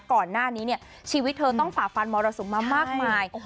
ก่อนหน้านี้ชีวิตเธอต้องฝากฟันมอเตอร์สุมมามากมาย